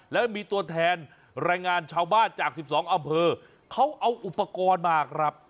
แล้วมีตัวแทนแรงงานชาวบ้านจาก๑๒อำเภอเขาเอาอุปกรณ์มาครับ